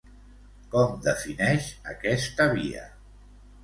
Com defineix aquesta via?